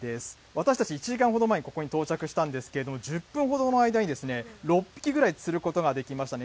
私たち、１時間ほど前にここに到着したんですけれども、１０分ほどの間に６匹ぐらい釣ることができましたね。